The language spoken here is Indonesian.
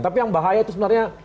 tapi yang bahaya itu sebenarnya